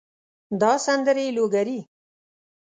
دا سندرې لوګري